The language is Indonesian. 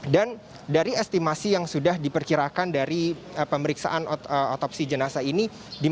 dan dari estimasi yang sudah diperkirakan dari pemeriksaan otopsi jenazah ini